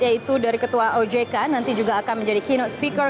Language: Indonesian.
yaitu dari ketua ojk nanti juga akan menjadi keynote speaker